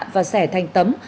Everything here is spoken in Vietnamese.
và xẻ thành tấm